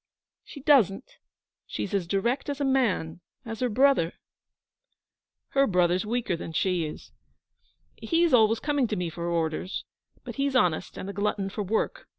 'She doesn't, and that's why I love her. She's as direct as a man as her brother.' 'Her brother's weaker than she is. He's always coming to me for orders; but he's honest, and a glutton for work.